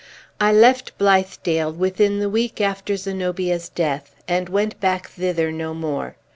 I left Blithedale within the week after Zenobia's death, and went back thither no more.